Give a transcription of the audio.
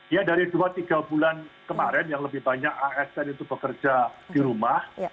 ya dari dua tiga bulan kemarin yang lebih banyak asn itu bekerja di rumah